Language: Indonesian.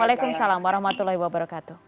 waalaikumsalam warahmatullahi wabarakatuh